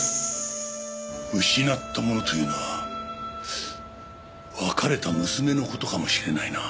失ったものというのは別れた娘の事かもしれないな。